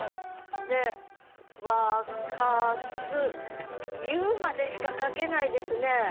で「沸かす湯」までしか書けないですね。